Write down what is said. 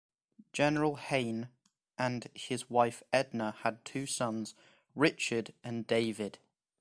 General Heyn and his wife Edna had two sons, Richard and David.